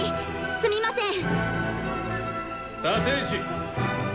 すみません！